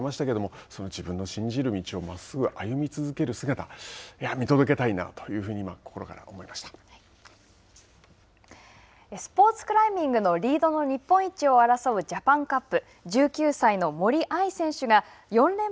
インタビューで話していらっしゃいましたけど、その自分を信じる道をまっすぐ歩み続ける姿見届けたいなというふうに心からスポーツクライミングのリードの日本一を争うジャパンカップ。